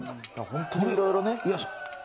本当にいろいろね。